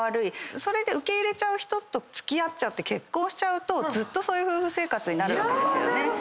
それで受け入れちゃう人と付き合って結婚しちゃうとずっとそういう夫婦生活になるわけですよね。